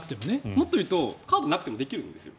もっと言うとカードがなくてもできるんです。